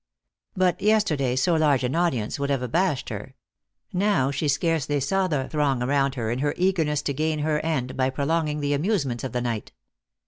But yesterday so large an audience would have abashed her ; now she scarcely saw the throng around her in her eagerness to gain her end by prolonging the amusements of the night.